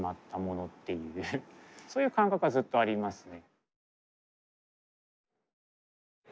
そういう感覚はずっとありますね。